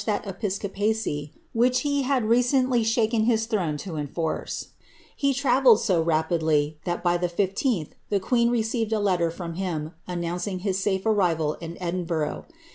hat episcopacy which he had recently shaken his throne to \ie travelled so rapidly, that by the 15th, the queen received m him, announcing his safe arrival in Edinburgh.